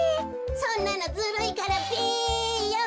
そんなのずるいからべよ。